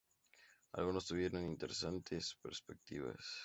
Algunos, tuvieron interesantes perspectivas.